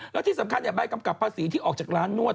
แล้วที่สำคัญใบกำกับภาษีที่ออกจากร้านนวด